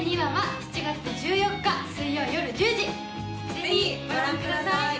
ぜひご覧ください。